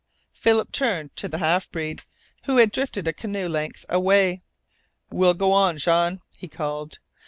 Philip turned to the half breed, who had drifted a canoe length away. "We'll go on, Jean," he called.